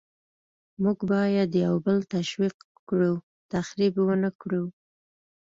موږ باید یو بل تشویق کړو، تخریب ونکړو.